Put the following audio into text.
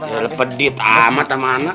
ya lo pedih tamat sama anak